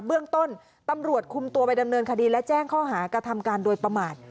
เบื้องต้นตำรวจคุมตัวไปดำเนินคดีและแจ้งข้อหากระทำการโดยประมาท